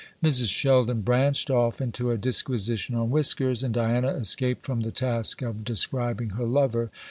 Mrs. Sheldon branched off into a disquisition on whiskers, and Diana escaped from the task of describing her lover.